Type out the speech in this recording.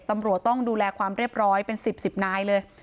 ตำรวจต้องดูแลความเรียบร้อยเป็น๑๐๑๐นายเลย